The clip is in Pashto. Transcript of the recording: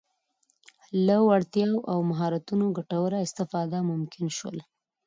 له وړتیاوو او مهارتونو ګټوره استفاده ممکن شول.